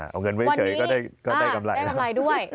เอาเงินไปเจอก็ได้กำไรแล้ววันนี้ได้กำไรด้วย